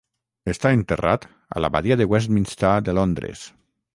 Està enterrat a l'abadia de Westminster de Londres.